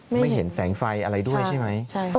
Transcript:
ไม่เห็นแสงไฟอะไรด้วยใช่ไหม